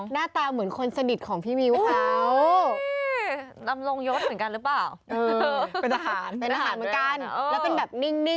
นั่งมองแบบนี้